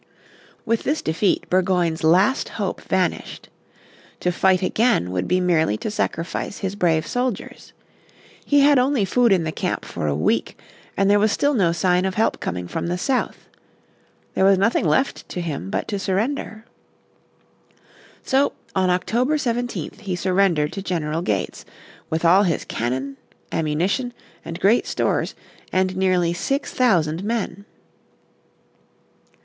With this defeat Burgoyne's last hope vanished. To fight again would be merely to sacrifice his brave soldiers. He had only food in the camp for a week, and there was still no sign of help coming from the south. There was nothing left to him but to surrender. So on October 17th he surrendered to General Gates, with all his cannon, ammunition, and great stores, and nearly six thousand men.